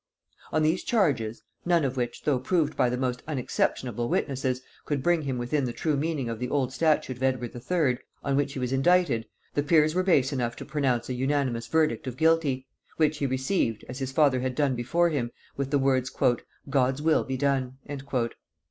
On these charges, none of which, though proved by the most unexceptionable witnesses, could bring him within the true meaning of the old statute of Edward III., on which he was indicted, the peers were base enough to pronounce an unanimous verdict of Guilty; which he received, as his father had done before him, with the words "God's will be done!"